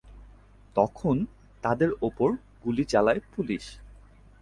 তখন তাদের উপর গুলি চালায় পুলিশ।